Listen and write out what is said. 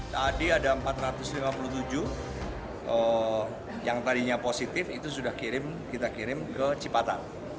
tadi ada empat ratus lima puluh tujuh yang tadinya positif itu sudah kita kirim ke cipatat